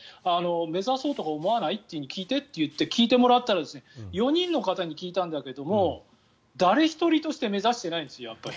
目指そうとか思わない？って聞いてって聞いてもらったら４人の方に聞いたんだけれども誰一人として目指してないんです、やっぱり。